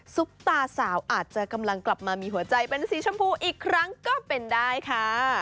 ซุปตาสาวอาจจะกำลังกลับมามีหัวใจเป็นสีชมพูอีกครั้งก็เป็นได้ค่ะ